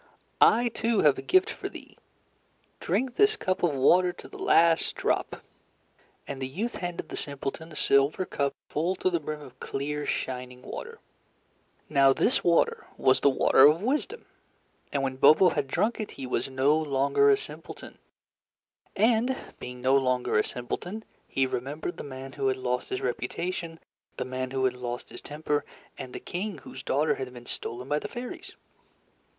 "I, too, have a gift for thee. Drink this cup of water to the last drop." And the youth handed the simpleton a silver cup full to the brim of clear shining water. Now this water was the water of wisdom, and when Bobo had drunk it, he was no longer a simpleton. And being no longer a simpleton, he remembered the man who had lost his reputation, the man who had lost his temper, and the king whose daughter had been stolen by the fairies.